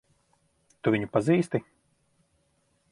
Tu viņu pazīsti?